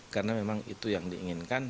karena memang itu yang diinginkan